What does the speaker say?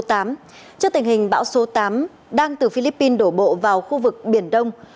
trước tình hình bão số tám đang từ philippines đổ bộ vào khu vực biển đông